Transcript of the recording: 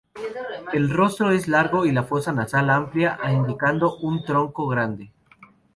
El rostro es largo y la fosa nasal amplia, indicando un tronco grande.